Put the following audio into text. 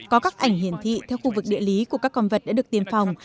có các ảnh hiển thị theo khu vực địa lý của các con vật đã được tiêm phòng